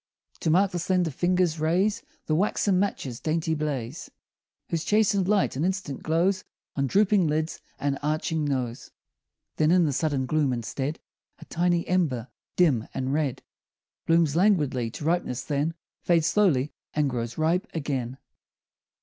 To mark the slender fingers raise The waxen match's dainty blaze, Whose chastened light an instant glows On drooping lids and arching nose, Then, in the sudden gloom, instead, A tiny ember, dim and red, Blooms languidly to ripeness, then Fades slowly, and grows ripe again.